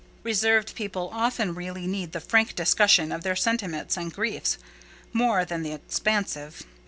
Reserved people often really need the frank discussion of their sentiments and griefs more than the expansive.